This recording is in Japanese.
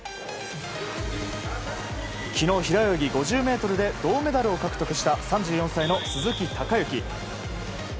昨日、平泳ぎ５０ｍで銅メダルを獲得した３４歳の鈴木孝幸。